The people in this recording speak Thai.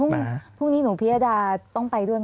ค่ะพรุ่งนี้หนูเพียดาต้องไปด้วยมั้ยคะ